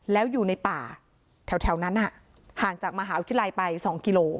แล้วอยู่ในป่าแถวนั้นห่างจากมหาวิทยาลัยไป๒กิโล